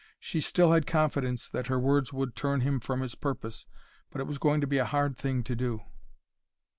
She still had confidence that her words would turn him from his purpose but it was going to be a hard thing to do!